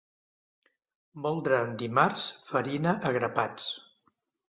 Moldre en dimarts, farina a grapats.